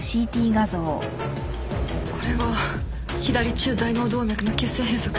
これは左中大脳動脈の血栓閉塞。